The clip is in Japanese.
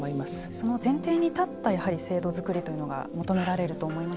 その前提に立ったやはり制度づくりというのが求められると思います。